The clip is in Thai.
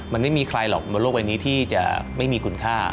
มันไม่มีใครหรอกบนโลกใบนี้ที่จะไม่มีคุณค่า